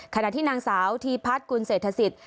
ขณะที่นางสาวธีพัฒน์กุลเศรษฐศิษย